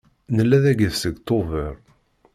Nella dagi seg Tubeṛ.